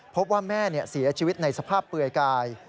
พบว่าแม่เสียชีวิตในสภาพเปลือยกาย